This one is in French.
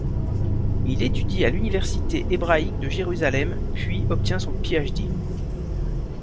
Il étudie à l'Université hébraïque de Jérusalem puis obtient son Ph.D.